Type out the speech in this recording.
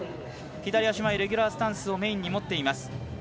左足前レギュラースタンスをメインに持っています。